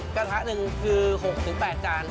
กระทะหนึ่งคือ๖๘จาน